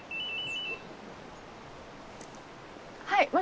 はい。